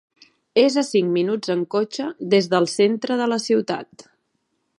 És a cinc minuts en cotxe des del centre de la ciutat.